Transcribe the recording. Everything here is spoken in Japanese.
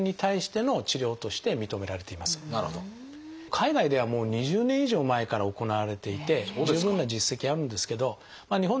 海外ではもう２０年以上前から行われていて十分な実績あるんですけど日本でもようやくですね